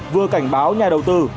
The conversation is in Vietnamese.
vừa cảnh báo nhà đầu tư